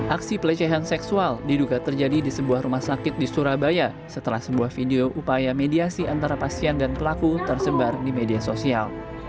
aksi pelecehan seksual diduga terjadi di sebuah rumah sakit di surabaya setelah sebuah video upaya mediasi antara pasien dan pelaku tersebar di media sosial